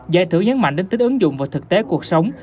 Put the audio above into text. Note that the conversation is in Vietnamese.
giải thử nhấn mạnh đến tính ứng dụng vào thực tế cuộc sống